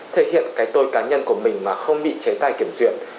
thể hiện cái tôi cá nhân của mình mà không bị chế tài kiểm duyệt